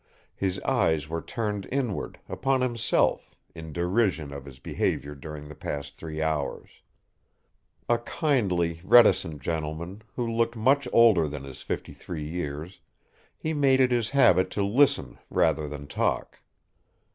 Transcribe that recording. His eyes were turned inward, upon himself, in derision of his behaviour during the past three hours. A kindly, reticent gentleman, who looked much older than his fifty three years, he made it his habit to listen rather than talk.